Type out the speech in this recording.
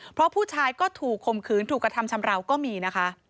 เพราะผู้ชายก็ถูกคมคืนถูกกระทำชำราวก็มีนะคะ